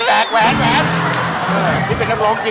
นั่งแผงไม่ค่อยนั่งก็ได้